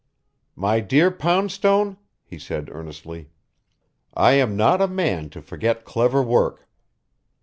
"My dear Poundstone," he said earnestly, "I am not a man to forget clever work.